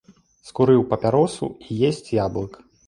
Скурыў папяросу і есць яблык.